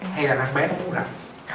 hay là em bé nó muốn rằm